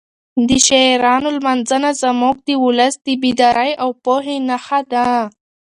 د شاعرانو لمانځنه زموږ د ولس د بیدارۍ او پوهې نښه ده.